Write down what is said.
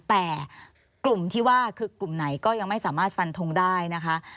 แต่กลุ่มที่ว่าคือกลุ่มไหนก็ยังไม่สามารถฟันทงได้นะคะ